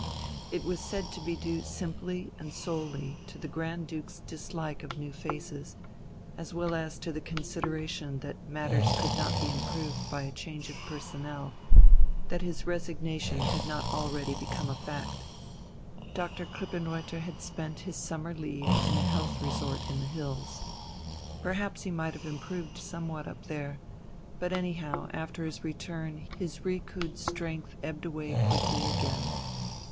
It was said to be due simply and solely to the Grand Duke's dislike of new faces, as well as to the consideration that matters could not be improved by a change of personnel, that his resignation had not already become a fact. Dr. Krippenreuther had spent his summer leave in a health resort in the hills. Perhaps he might have improved somewhat up there. But anyhow after his return his recouped strength ebbed away quickly again.